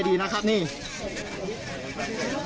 เพื่อนบ้านเจ้าหน้าที่อำรวจกู้ภัย